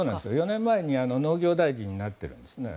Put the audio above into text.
４年前に農業大臣になっているんですね。